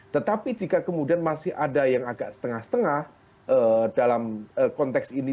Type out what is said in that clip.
tetapi jika kemudian masih ada yang agak setengah setengah dalam konteks ini